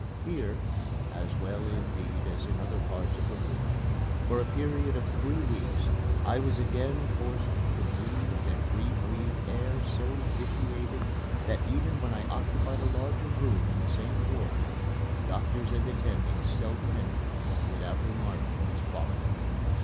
Here (as well, indeed, as in other parts of the ward) for a period of three weeks I was again forced to breathe and rebreathe air so vitiated that even when I occupied a larger room in the same ward, doctors and attendants seldom entered without remarking its quality.